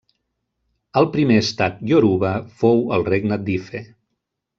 El primer estat ioruba fou el regne d'Ife.